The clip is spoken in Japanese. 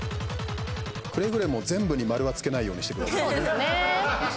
くれぐれも全部に丸はつけないようにしてください。